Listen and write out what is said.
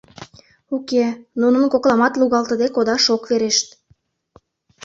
Уке, нунын кокламат лугалтыде кодаш ок верешт.